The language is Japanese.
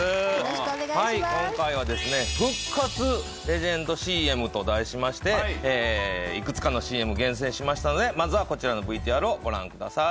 レジェンドＣＭと題しましていくつかのＣＭ厳選しましたのでまずはこちらのＶＴＲをご覧ください。